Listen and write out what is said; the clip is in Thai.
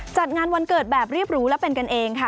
จัดงานวันเกิดแบบรีบรู้และเป็นกันเองค่ะ